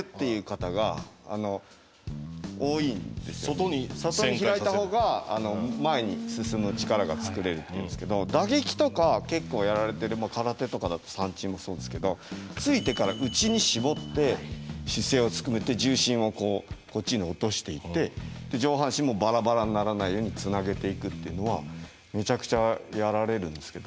外に開いたほうが前に進む力が作れるっていうんですけど打撃とか結構やられてる空手とかだと三戦もそうですけどついてから内に絞って姿勢を含めて重心をこっちに落としていって上半身もバラバラにならないようにつなげていくっていうのはめちゃくちゃやられるんですけど。